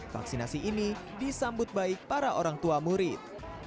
vaksinasi ini disambut baik para orang tua murid